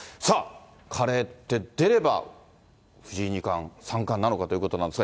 カレーって出れば、藤井二冠、三冠なのかということなんですが。